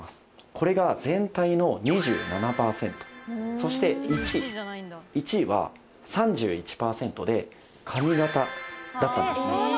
これが全体の２７％そして１位１位は３１％で髪形だったんです